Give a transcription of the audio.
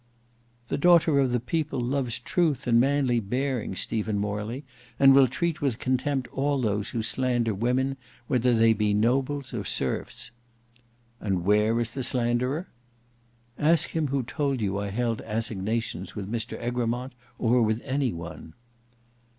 "The daughter of the people loves truth and manly bearing, Stephen Morley; and will treat with contempt all those who slander women, whether they be nobles or serfs." "And where is the slanderer?" "Ask him who told you I held assignations with Mr Egremont or with any one."